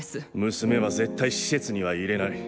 娘は、絶対施設には入れない。